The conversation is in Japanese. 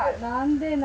何で？